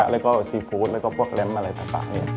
แล้วก็ซีฟู้ดแล้วก็พวกแรมอะไรต่าง